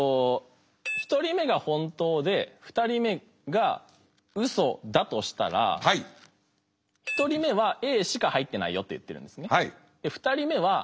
１人目が本当で２人目がウソだとしたら１人目はＡしか入ってないよと言ってるんですね。